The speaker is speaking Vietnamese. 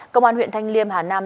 công an huyện thanh liêm hà nam